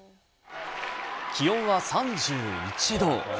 気温は３１度。